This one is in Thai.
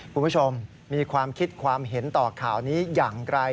คุณผู้ชมมีความคิดความเห็นต่อข่าวนี้อย่างไร